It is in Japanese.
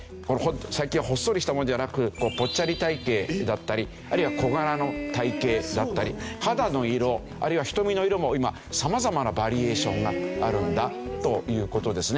最近はほっそりしたものじゃなくぽっちゃり体形だったりあるいは小柄の体形だったり肌の色あるいは瞳の色も今様々なバリエーションがあるんだという事ですね。